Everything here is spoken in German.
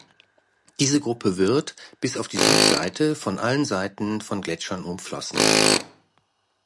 Diese Gruppe wird, bis auf die Südseite, von allen Seiten von Gletschern umflossen.